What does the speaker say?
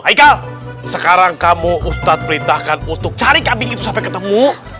hei kal sekarang kamu ustadz perintahkan untuk cari kambing itu sampai ketemu kamu